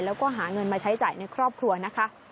แล้วก็หาเงินมาใช้จ่ายในครอบครัวนะคะ